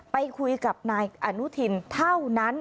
ไปคุยกับนายอนุทินเท่านั้น